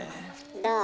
どう？